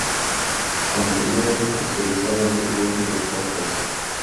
Su contenido era especializado en fútbol y deportes.